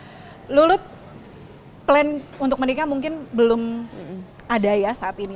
oke lulut plan untuk menikah mungkin belum ada ya saat ini